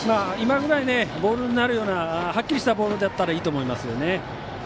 今ぐらいボールになるようなはっきりしたようなボールだったらいいと思いますよね。